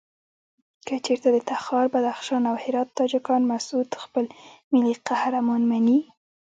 کچېرته د تخار، بدخشان او هرات تاجکان مسعود خپل ملي قهرمان مني.